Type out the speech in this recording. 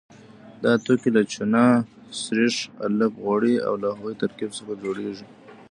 دا توکي له چونه، سريښ، الف غوړي او د هغوی ترکیب څخه جوړیږي.